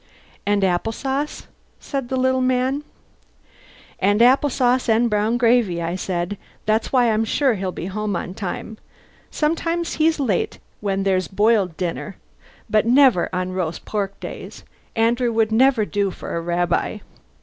"And apple sauce?" said the little man. "Apple sauce and brown gravy," I said. "That's why I'm sure he'll be home on time. Sometimes he's late when there's boiled dinner, but never on roast pork days. Andrew would never do for a rabbi."